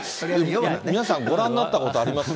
皆さん、ご覧になったことありますか？